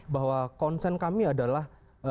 bahwa konsen kami adalah